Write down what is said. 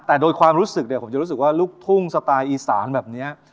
แต่โดยความรู้สึกเนี่ยผมจะรู้สึกว่าลูกทุ่งสไตล์อีสานแบบนี้